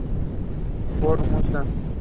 Ford Mustang